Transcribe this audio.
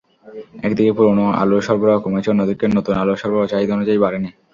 একদিকে পুরোনো আলুর সরবরাহ কমেছে, অন্যদিকে নতুন আলুর সরবরাহ চাহিদা অনুযায়ী বাড়েনি।